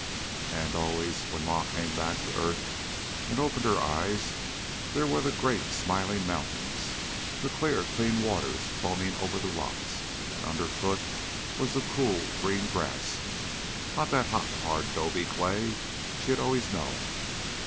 And always when Ma came back to earth and opened her eyes there were the great smiling mountains, the clear, clean waters foaming over the rocks, and underfoot was the cool, green grass, not that hot, hard 'dobe clay she had always known.